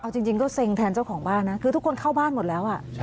เอาจริงก็เซ็งแทนเจ้าของบ้านนะคือทุกคนเข้าบ้านหมดแล้ว